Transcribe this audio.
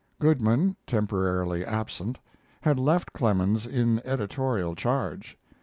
Goodman, temporarily absent, had left Clemens in editorial charge.